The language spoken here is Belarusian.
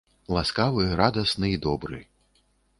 Ласкавы, радасны і добры.